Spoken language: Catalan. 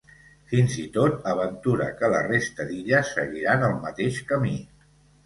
Fins i tot aventura que la resta d’illes seguiran el mateix camí.